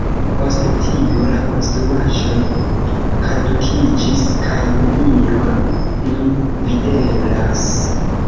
Post tio la konstruaĵoj kadukiĝis, kaj nenio nun videblas.